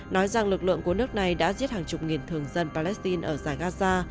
nói rằng lực lượng của nước này đã giết hàng chục nghìn thường dân palestine ở giải gaza